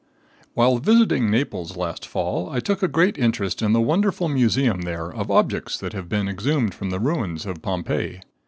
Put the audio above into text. While visiting Naples, last fall, I took a great interest in the wonderful museum there, of objects that have been exhumed from the ruins of Pompeii.